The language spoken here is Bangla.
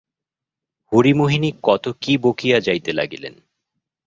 হরিমোহিনী কত কী বকিয়া যাইতে লাগিলেন।